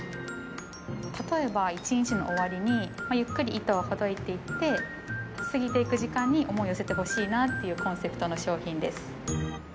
例えば一日の終わりにゆっくり糸をほどいていって過ぎていく時間に思いを寄せてほしいなっていうコンセプトの商品です。